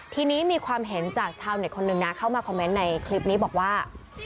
ทีนี้มีความเห็นจากชาวเน็ตคนหนึ่งนะเข้ามาคอมเมนต์ในคลิปนี้บอกว่า